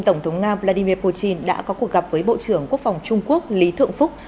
tổng thống nga vladimir putin đã có cuộc gặp với bộ trưởng quốc phòng trung quốc lý thượng phúc